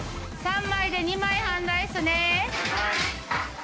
３枚で２枚半ライスね。